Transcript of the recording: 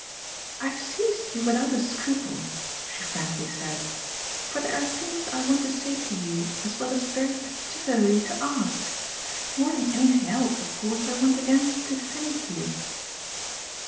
"I've seized you without a scruple," she frankly said, "for there are things I want to say to you as well as very particularly to ask. More than anything else of course I want again to thank you."